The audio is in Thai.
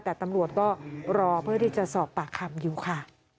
แต่ตำรวจก็รอเพื่อที่จะสอบปากคำอยู่ค่ะ